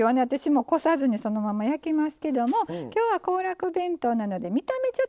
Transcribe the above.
私もこさずにそのまま焼きますけども今日は行楽弁当なので見た目